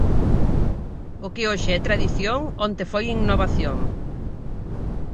O que hoxe é tradición onte foi innovación.